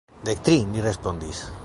Dek tri, mi respondis.